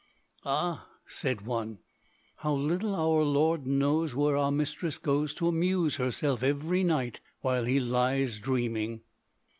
'Ah!' said one, 'how little our lord knows where our mistress goes to amuse herself every night while he lies dreaming!'